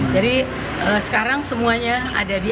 jadi sekarang semuanya ada di icu